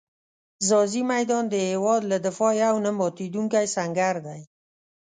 ځاځي میدان د هېواد له دفاع یو نه ماتېدونکی سنګر دی.